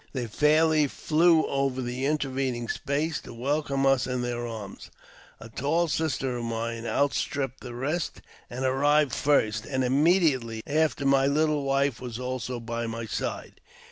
They fairly flew over the intervening space to welcome us in their arms. A tall sister of mine outstripped the rest, and arrived first, and immediately after my little wife was also by my side.